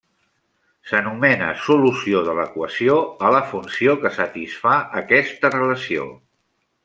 S'anomena solució de l'equació a la funció que satisfà aquesta relació.